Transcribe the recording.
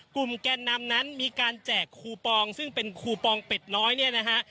แกนนำนั้นมีการแจกคูปองซึ่งเป็นคูปองเป็ดน้อยเนี่ยนะฮะ